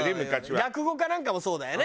落語家なんかもそうだよね。